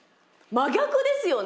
真逆ですよね。